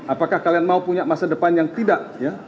apakah kalian mau punya masa depan yang tidak